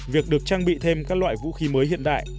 việc được trang bị thêm các loại vũ khí mới hiện đại